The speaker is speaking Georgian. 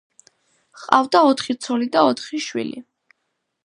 ჰყავდა ოთხი ცოლი და ოთხი შვილი.